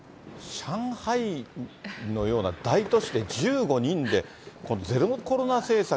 上海のような大都市で１５人で、ゼロコロナ政策、